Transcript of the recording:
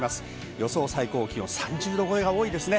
予想最高気温３０度超えが多いですね。